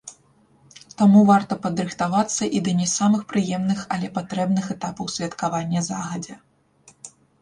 Таму варта падрыхтавацца і да не самых прыемных, але патрэбных этапаў святкавання загадзя.